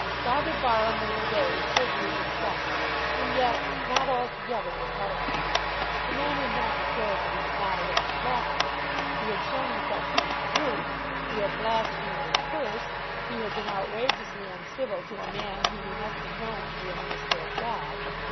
Father Barham went away certainly disgusted; and yet not altogether disheartened. The man had not declared that he was not a Roman Catholic. He had shown himself to be a brute. He had blasphemed and cursed. He had been outrageously uncivil to a man whom he must have known to be a minister of God.